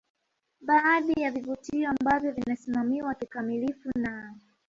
Baadhi ya vivutio ambavyo vinasimamiwa kikamilifu na